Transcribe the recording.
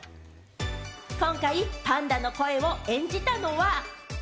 今回パンダの声を演じたのは。